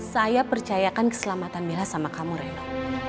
saya percayakan keselamatan mila sama kamu reno